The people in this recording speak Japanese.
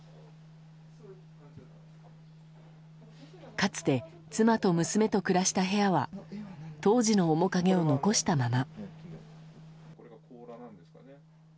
かつて妻と娘と暮らした部屋は当時の面影を残したまま。